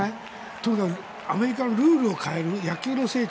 とにかくアメリカのルールを変える野球の聖地